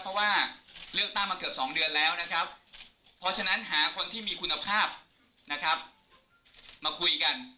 เพราะฉะนั้นหาคนที่มีคุณภาพมาคุยกัน